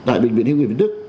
tại bệnh viện hữu quỳnh vĩnh đức